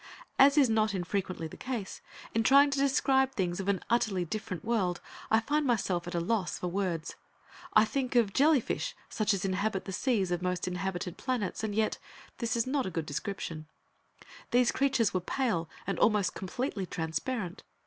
As is not infrequently the case, in trying to describe things of an utterly different world, I find myself at a loss for words. I think of jellyfish, such as inhabit the seas of most of the inhabited planets, and yet this is not a good description. These creatures were pale, and almost completely transparent.